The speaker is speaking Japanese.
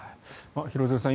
廣津留さん